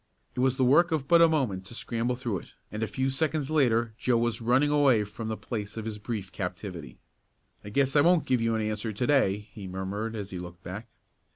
It was the work of but a moment to scramble through it, and a few seconds later Joe was running away from the place of his brief captivity. "I guess I won't give you an answer to day," he murmured as he looked back.